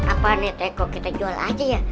apaan ya teko kita jual aja ya